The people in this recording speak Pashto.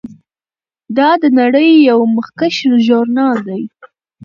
دا د نړۍ یو مخکښ ژورنال دی.